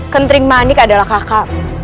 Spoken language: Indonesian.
kentring manik adalah kakakmu